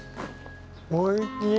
おいしい！